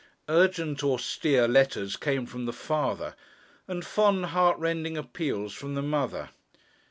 Urgent austere letters came from the father, and fond heart rending appeals from the mother.